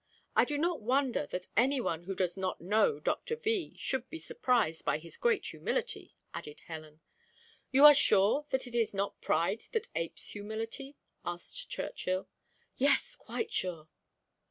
"I do not wonder that any one who does not know Doctor V should be surprised by his great humility," added Helen. "You are sure that it is not pride that apes humility?" asked Churchill. "Yes, quite sure!"